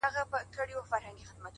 مهرباني د زړونو ژور تاثیر لري؛